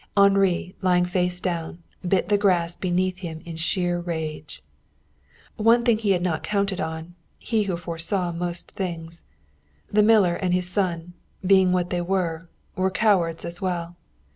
Henri, lying face down, bit the grass beneath him in sheer rage. One thing he had not counted on, he who foresaw most things. The miller and his son, being what they were, were cowards as well.